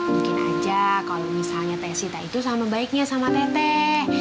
mungkin aja kalau misalnya tes sita itu sama baiknya sama tete